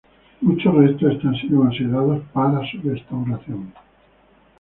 Muchos restos están siendo considerados para su restauración.